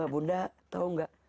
bunda tau nggak